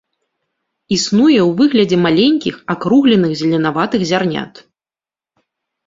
Існуе ў выглядзе маленькіх, акругленых зеленаватых зярнят.